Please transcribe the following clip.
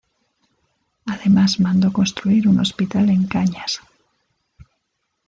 Además mandó construir un hospital en Cañas.